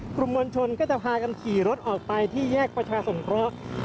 กลุ่มมวลชนก็จะพากันขี่รถออกไปที่แยกประชาสงเคราะห์